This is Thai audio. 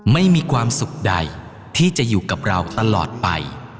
ไม่มีความสุขใดที่จะอยู่กับเราตลอดไป